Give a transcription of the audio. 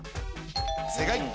正解！